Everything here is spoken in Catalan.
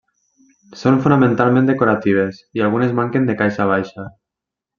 Són fonamentalment decoratives, i algunes manquen de caixa baixa.